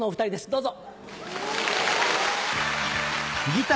どうぞ。